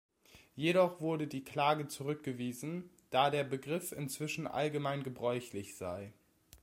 Jedoch wurde die Klage zurückgewiesen, da der Begriff inzwischen allgemein gebräuchlich sei.